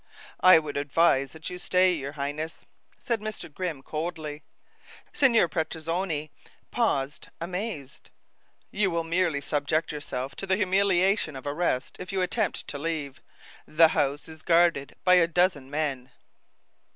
"I would advise that you stay, your Highness," said Mr. Grimm coldly. Signor Petrozinni paused, amazed. "You will merely subject yourself to the humiliation of arrest if you attempt to leave. The house is guarded by a dozen men."